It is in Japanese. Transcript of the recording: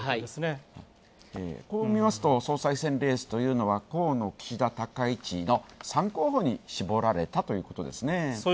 こう見ますと、総裁選ベースというのは河野、岸田、高市の３候補に絞られたということですね。